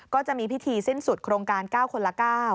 ก็จะมีพิธีสิ้นสุดโครงการ๙คนละ๙